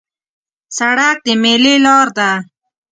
سړک د میلې لار ده.